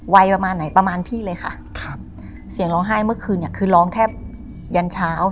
ประมาณไหนประมาณพี่เลยค่ะครับเสียงร้องไห้เมื่อคืนเนี่ยคือร้องแค่ยันเช้า